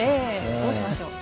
どうしましょう？